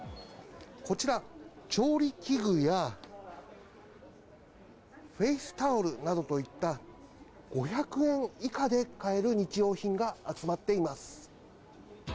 こちら、調理器具や、フェイスタオルなどといった５００円以下で買える日用品が集まっています。